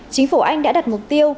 chính phủ anh đã đặt mục tiêu